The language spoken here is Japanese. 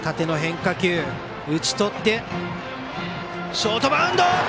ショートバウンド！